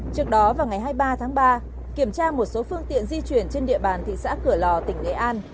trước đó vào ngày hai mươi ba tháng ba kiểm tra một số phương tiện di chuyển trên địa bàn thị xã cửa lò tỉnh nghệ an